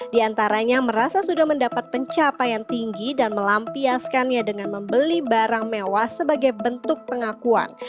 di antaranya merasa sudah mendapat pencapaian tinggi dan melampiaskannya dengan membeli barang mewah sebagai bentuk pengakuan